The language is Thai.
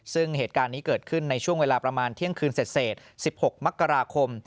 ซึ่งเหตุการณ์นี้เกิดขึ้นในช่วงเวลาประมาณเที่ยงคืนเสร็จ๑๖มกราคม